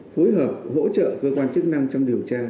phối hợp hỗ trợ cơ quan chức năng trong điều tra